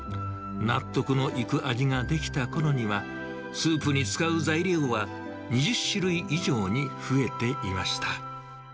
納得のいく味が出来たころには、スープに使う材料は、２０種類以上に増えていました。